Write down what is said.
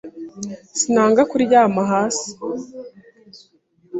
Sinanga kuryama hasi.